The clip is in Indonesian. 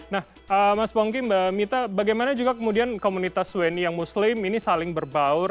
nah mas pongki mbak mita bagaimana juga kemudian komunitas wni yang muslim ini saling berbaur